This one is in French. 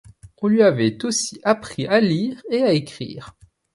On lui avait aussi appris à lire et à écrire.